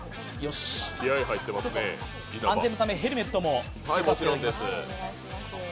安全のためヘルメットもつけさせていただきます。